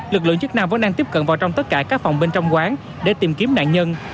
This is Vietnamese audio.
lực lượng chức năng vẫn đang tiếp cận vào trong tất cả các phòng bên trong quán để tìm kiếm nạn nhân